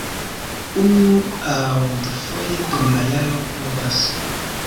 Unu- aŭ dufoje dum la jaro pluvas.